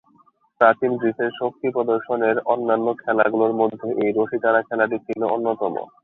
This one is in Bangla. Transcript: প্রাচীন গ্রীসের শক্তি প্রদর্শনের অন্যান্য খেলাগুলোর মধ্যে এই রশি টানা খেলাটি ছিল অন্যতম।